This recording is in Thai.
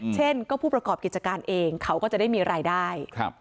เช่นก็ผู้ประกอบกิจการเองเขาก็จะได้มีรายได้